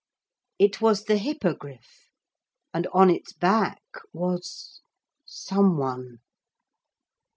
It was the Hippogriff, and on its back was some one.